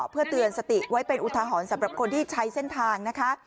เพื่อเตือนสติไว้เป็นอุทหรณ์สำหรับคนที่ใช้เส้นทางนะคะ